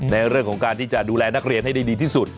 ในเรื่องของการที่จะดูแลนักเรียนให้ได้ดีที่สุด